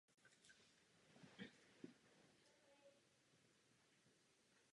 Vnitřní součet tedy má vždy pouze jeden člen.